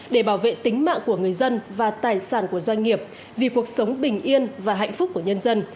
để bảo vệ tính mạng của người dân và tài sản của doanh nghiệp vì cuộc sống bình yên và hạnh phúc của nhân dân